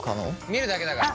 見るだけだから。